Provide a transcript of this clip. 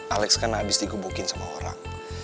alex kan habis digebukin sama orang